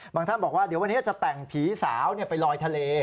ท่านบอกว่าเดี๋ยววันนี้จะแต่งผีสาวไปลอยทะเล